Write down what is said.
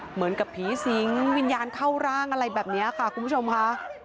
เหมือนกับผีสิงวิญญาณเข้าร่างอะไรแบบนี้ค่ะคุณผู้ชมค่ะ